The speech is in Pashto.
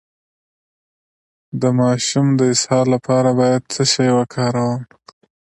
د ماشوم د اسهال لپاره باید څه شی وکاروم؟